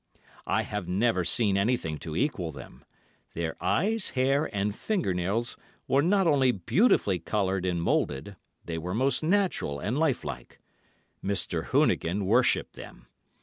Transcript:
I have never seen anything to equal them; their eyes, hair, and finger nails were not only beautifully coloured and moulded, they were most natural and life like. Mr. Hoonigan worshipped them.